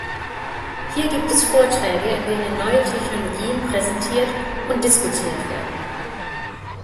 Hier gibt es Vorträge, in denen neue Technologien präsentiert und diskutiert werden.